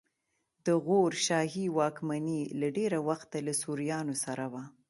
د غور شاهي واکمني له ډېره وخته له سوریانو سره وه